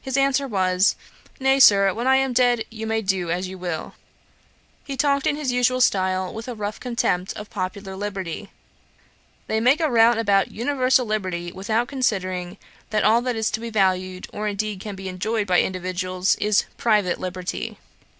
His answer was, 'Nay, Sir, when I am dead, you may do as you will.' He talked in his usual style with a rough contempt of popular liberty. 'They make a rout about universal liberty, without considering that all that is to be valued, or indeed can be enjoyed by individuals, is private liberty.